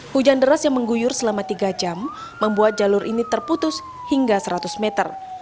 hujan deras yang mengguyur selama tiga jam membuat jalur ini terputus hingga seratus meter